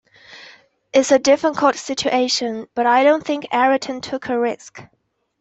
It's a difficult situation, but I don't think Ayrton took a risk.